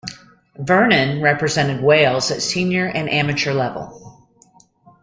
Vernon represented Wales at senior and amateur level.